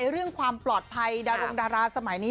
เรื่องความปลอดภัยดารงดาราสมัยนี้